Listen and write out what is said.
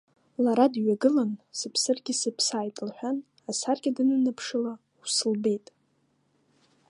Лара дҩагылан, сыԥсыргьы сыԥсааит лҳәан, асаркьа данынаныԥшыла, ус лбеит…